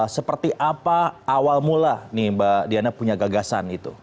seperti apa awal mula nih mbak diana punya gagasan itu